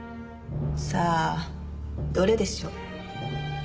さあどれでしょう？